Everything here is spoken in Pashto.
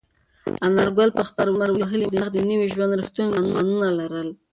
انارګل په خپل لمر وهلي مخ د نوي ژوند رښتونې نښانونه لرل.